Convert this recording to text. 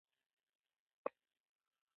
• د بم چاودنې ږغ ډېر خطرناک وي.